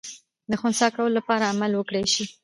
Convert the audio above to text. د خنثی کولو لپاره عمل وکړای سي.